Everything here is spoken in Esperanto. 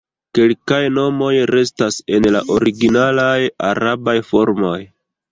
Kelkaj nomoj restas en la originalaj arabaj formoj.